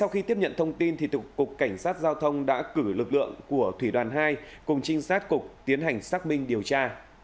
khi tiếp nhận thông tin cục cảnh sát giao thông đã cử lực lượng của thủy đoàn hai cùng trinh sát cục tiến hành xác minh điều tra